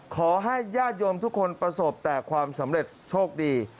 ขอให้ญาติโยมทุกคนประสบแต่ความสำเร็จโชคดี